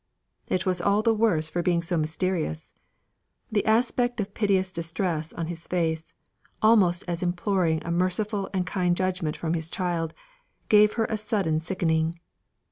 It was all the worse for being so mysterious. The aspect of piteous distress on his face, almost imploring a merciful and kind judgment from his child, gave her a sudden sickening.